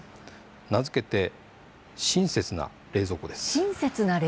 名付けて「親切な冷蔵庫」です。